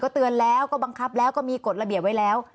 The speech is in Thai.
เตือนแล้วก็บังคับแล้วก็มีกฎระเบียบไว้แล้ว